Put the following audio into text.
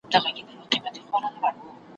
ته دي نظمونه د جانان په شونډو ورنګوه ,